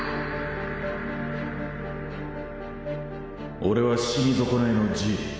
俺は死に損ないのジイロ。